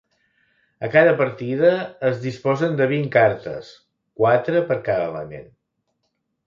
A cada partida es disposen de vint cartes, quatre per cada element.